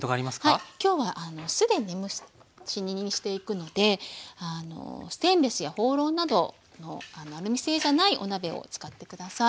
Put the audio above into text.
はい今日は既に蒸し煮にしていくのでステンレスやホウロウなどのアルミ製じゃないお鍋を使って下さい。